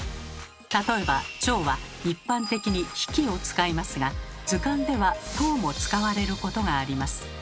例えばチョウは一般的に「匹」を使いますが図鑑では「頭」も使われることがあります。